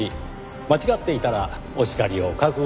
間違っていたらお叱りを覚悟の上で。